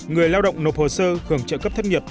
người lao động nộp hồ sơ hưởng trợ cấp thất nghiệp